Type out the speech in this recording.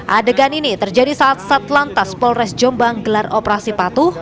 adegan ini terjadi saat satlantas polres jombang gelar operasi patuh